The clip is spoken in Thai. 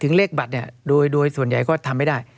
เลขบัตรเนี่ยโดยส่วนใหญ่ก็ทำไม่ได้